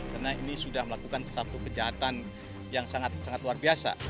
karena ini sudah melakukan satu kejahatan yang sangat sangat luar biasa